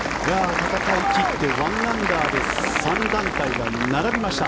戦い切って１アンダーで３団体が並びました。